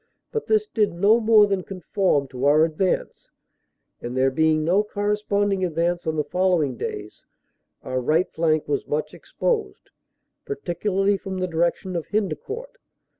But this did no more than conform to our advance and, there being no corres ponding advance on the following days, our right flank was much exposed, particularly from the direction of Hendecourt.